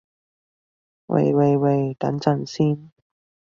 喂喂喂，等陣先